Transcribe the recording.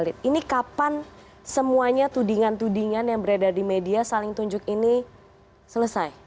ini kapan semuanya tudingan tudingan yang beredar di media saling tunjuk ini selesai